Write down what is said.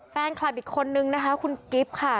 แฟนคลับอีกคนนึงนะคะคุณกิฟต์ค่ะ